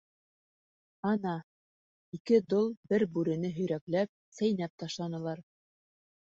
Ана, ике дол бер бүрене һөйрәкләп, сәйнәп ташланылар.